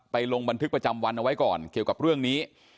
ลงบันทึกประจำวันเอาไว้ก่อนเกี่ยวกับเรื่องนี้